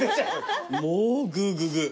もうグーググー。